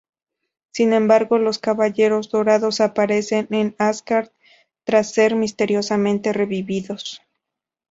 Sin embargo, los caballeros dorados aparecen en Asgard tras ser misteriosamente revividos.